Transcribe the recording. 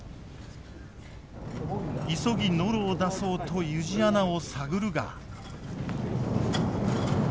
急ぎノロを出そうと湯路穴を探るが。